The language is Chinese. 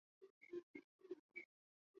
该种分布于中国。